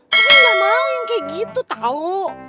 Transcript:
tapi udah maling kayak gitu tahu